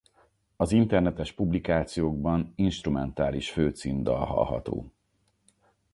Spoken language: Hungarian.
Az internetes publikációkban instrumentális főcímdal hallható.